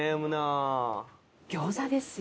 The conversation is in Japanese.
餃子ですよ。